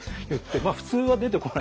まあ普通は出てこない。